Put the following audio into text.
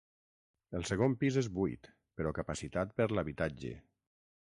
El segon pis és buit, però capacitat per l'habitatge.